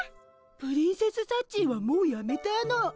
プリンセスサッチーはもうやめたの。